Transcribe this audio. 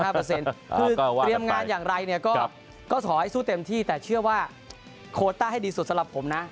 คือเตรียมงานอย่างไรก็ขอให้สู้เต็มที่แต่เชื่อว่าโคต้าให้ดีสุดสำหรับผมนะ